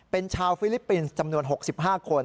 เป็นชาวฟิลิปปินส์จำนวน๖๕คน